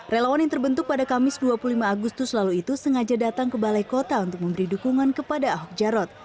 relawan yang terbentuk pada kamis dua puluh lima agustus lalu itu sengaja datang ke balai kota untuk memberi dukungan kepada ahok jarot